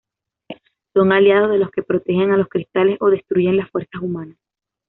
Son aliados de los que protegen a los cristales o destruyen las fuerzas humanas.